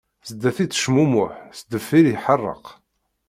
Zdat ittecmummuḥ, sdeffir iḥeṛṛeq.